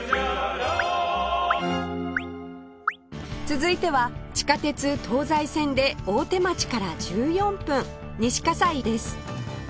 続いては地下鉄東西線で大手町から１４分西西です